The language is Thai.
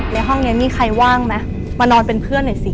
ในห้องนี้มีใครว่างไหมมานอนเป็นเพื่อนหน่อยสิ